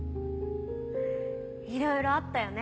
いろいろあったよね